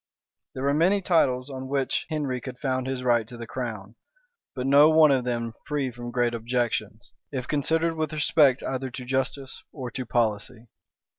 There were many titles on which Henry could found his right to the crown; but no one of them free from great objections, if considered with respect either to justice or to policy.